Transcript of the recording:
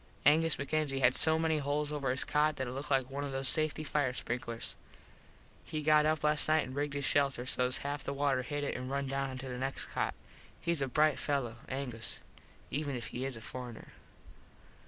Angus MacKenzie had so many holes over his cot that it looked like one of those safety fire sprinklers. He got up last nite and rigged his shelter half sos the water hit it an run down onto the next cot. Hes a brite fello, Angus, even if he is a forener.